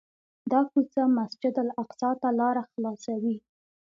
دا کوڅه مسجدالاقصی ته لاره خلاصوي.